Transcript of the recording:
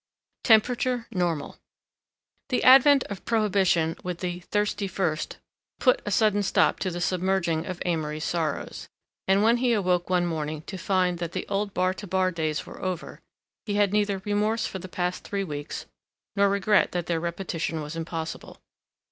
TEMPERATURE NORMAL The advent of prohibition with the "thirsty first" put a sudden stop to the submerging of Amory's sorrows, and when he awoke one morning to find that the old bar to bar days were over, he had neither remorse for the past three weeks nor regret that their repetition was impossible.